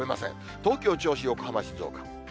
東京、銚子、横浜、静岡。